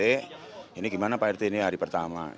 ini gimana pak rt ini hari pertama